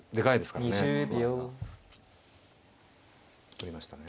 取りましたね。